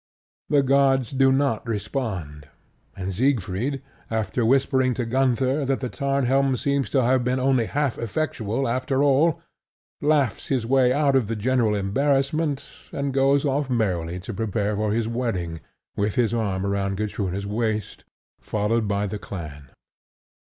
The gods do not respond; and Siegfried, after whispering to Gunther that the Tarnhelm seems to have been only half effectual after all, laughs his way out of the general embarrassment and goes off merrily to prepare for his wedding, with his arm round Gutrune's waist, followed by the clan.